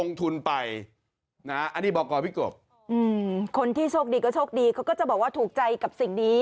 เขาก็จะบอกว่าถูกใจกับสิ่งนี้